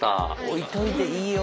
置いといていいよ。